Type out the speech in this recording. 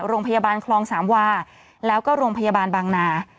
โรงพยาบาลคลองสามวาแล้วก็โรงพยาบาลบางนา